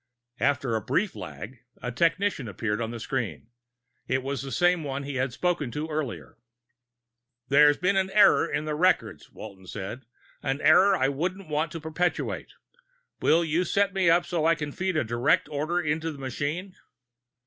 After a brief lag a technician appeared on the screen. It was the same one he had spoken to earlier. "There's been an error in the records," Walton said. "An error I wouldn't want to perpetuate. Will you set me up so I can feed a direct order into the machine?"